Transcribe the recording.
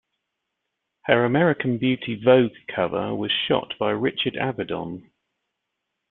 Her American Beauty "Vogue" cover was shot by Richard Avedon.